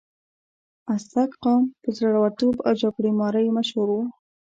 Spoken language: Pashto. ازتک قوم په زړورتوب او جګړې مارۍ مشهور و.